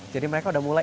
jadi mereka sudah mulai